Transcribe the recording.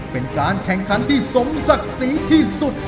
เป็นการแข่งขันที่สมศักดิ์ศรีที่สุด